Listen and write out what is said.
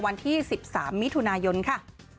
วันที่๑๓มิถุนายนค่ะ